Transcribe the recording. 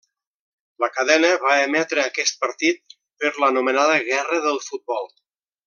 La cadena va emetre aquest partit per l'anomenada guerra del futbol.